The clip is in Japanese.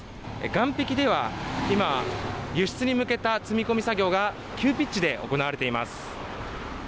岸壁では今、輸出に向けた積み込み作業が急ピッチで行われています。